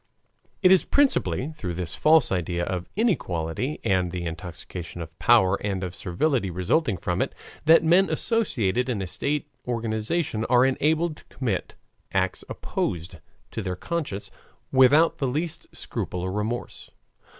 It is principally through this false idea of inequality, and the intoxication of power and of servility resulting from it, that men associated in a state organization are enabled to commit acts opposed to their conscience without the least scruple or remorse.